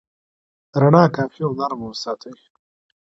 رڼا کافي او نرمه وساتئ.